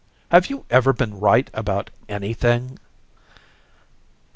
Have you ever been right about anything?"